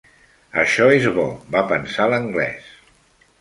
Això és bo, va pensar l'anglès.